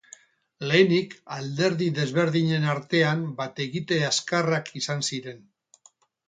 Lehenik, alderdi desberdinen artean bat egite azkarrak izan ziren.